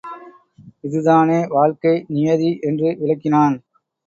இதுதானே வாழ்க்கை நியதி என்று விளக்கினான்.